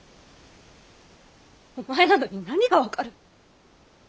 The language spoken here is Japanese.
お前などに何が分かる。